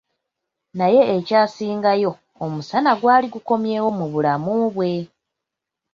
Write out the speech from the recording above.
Naye ekyasingayo, omusana gwali gukomyewo mu bulamu bwe.